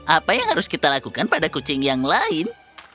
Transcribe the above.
apa yang harus kita lakukan pada kucing yang lain